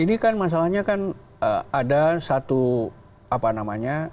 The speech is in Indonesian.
ini kan masalahnya kan ada satu apa namanya